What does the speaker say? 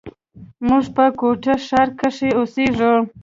موږ په کوټه ښار کښي اوسېږي.